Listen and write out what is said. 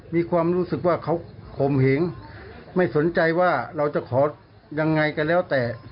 มีความรู้สึกว่าเขาข่มเหงไม่สนใจว่าเราจะขอยังไงก็แล้วแต่